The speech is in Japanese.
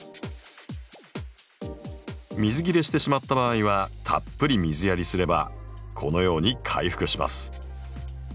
水切れしてしまった場合はたっぷり水やりすればこのように回復します。